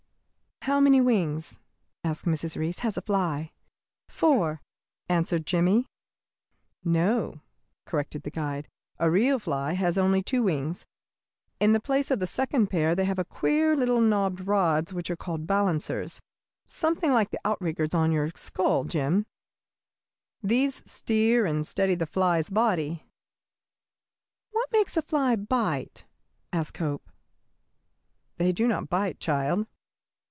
"How many wings," asked Mrs. Reece, "has a fly?" "Four," answered Jimmie. "No," corrected the guide; "a real fly has only two wings. In the place of the second pair they have queer little knobbed rods which are called balancers something like the out riggers on your scull, Jim. These steer and steady the fly's body." "What makes a fly bite?" asked Hope. "They do not bite, child.